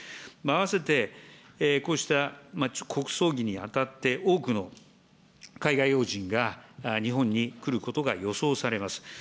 併せて、こうした国葬儀にあたって、多くの海外要人が日本に来ることが予想されます。